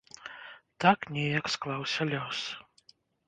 Так неяк склаўся лёс.